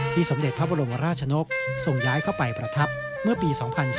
สมเด็จพระบรมราชนกส่งย้ายเข้าไปประทับเมื่อปี๒๔